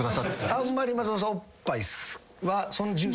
あんまり松本さんおっぱいは。